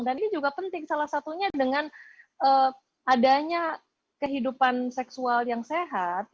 dan ini juga penting salah satunya dengan adanya kehidupan seksual yang sehat